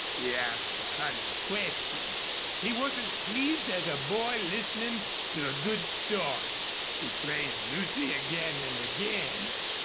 He asked a hundred questions. He was as pleased as a boy listening to a good story. He praised Lucy again and again.